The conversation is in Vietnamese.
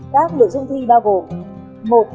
các nội dung thi bao gồm